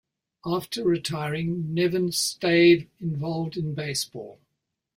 After retiring, Nevin stayed involved in baseball.